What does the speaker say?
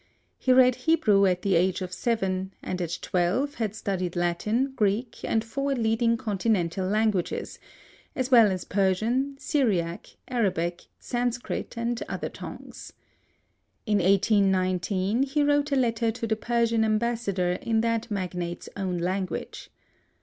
He read Hebrew at the age of seven, and at twelve, had studied Latin, Greek, and four leading continental languages, as well as Persian, Syriac, Arabic, Sanscrit, and other tongues. In 1819 he wrote a letter to the Persian ambassador in that magnate's own language.